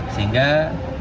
sehingga kami berwakil